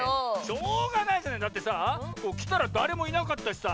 しょうがないじゃないだってさきたらだれもいなかったしさ